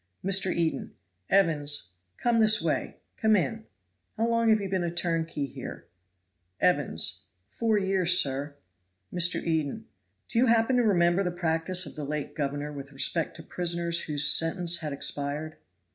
Mr. Eden. "Evans, come this way, come in. How long have you been a turnkey here?" Evans. "Four years, sir." Mr. Eden. "Do you happen to remember the practice of the late governor with respect to prisoners whose sentence had expired?"